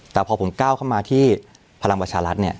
แต่พอผมก้าวเข้ามาที่พลังประชารัฐเนี่ย